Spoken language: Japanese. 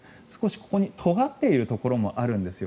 ここにとがっているところもあるんです。